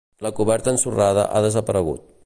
La coberta ensorrada ha desaparegut.